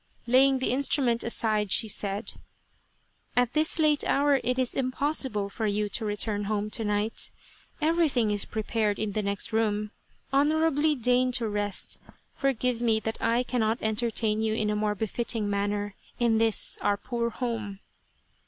Laying the instrument aside, she said :" At this late hour it is impossible for you to return home to night. Everything is prepared in the next room. Honourably deign to rest. Forgive me that I cannot entertain you in a more befitting manner, in this, our poor home."